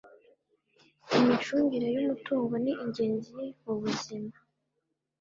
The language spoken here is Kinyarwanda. imicungire y’ umutungo ningenzi mubuzima.